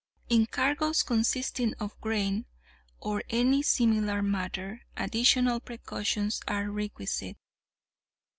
In cargoes consisting of grain, or any similar matter, additional precautions are requisite.